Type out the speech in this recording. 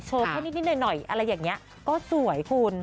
แค่นิดหน่อยอะไรอย่างนี้ก็สวยคุณ